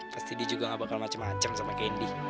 pasti dia juga gak bakal macem macem sama candy